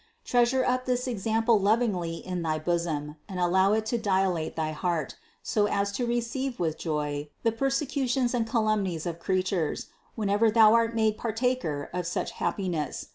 Treasure up this example lov ingly in thy bosom and allow it to dilate thy heart, so as to receive with joy the persecutions and calumnies of creatures, whenever thou art made partaker of such hap piness.